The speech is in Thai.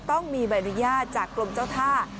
ต้องมีใบอนุญาตจากกรมเจ้าท่า